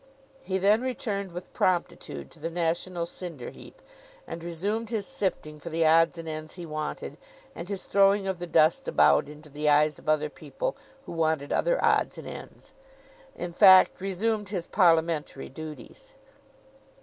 He then returned with promptitude to the national cinder heap, and resumed his sifting for the odds and ends he wanted, and his throwing of the dust about into the eyes of other people who wanted other odds and ends—in fact resumed his parliamentary duties.